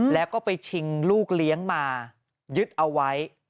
แล้วก็ไปชิงลูกเลี้ยงมายึดเอาไว้